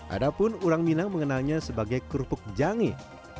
ada pun orang minang mengenalnya sebagai kerupuk jangih